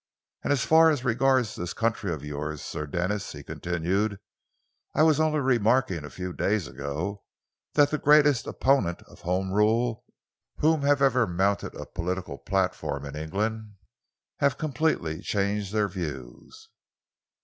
And as far as regards this country of yours, Sir Denis," he continued, "I was only remarking a few days ago that the greatest opponents of Home Rule who have ever mounted a political platform in England have completely changed their views.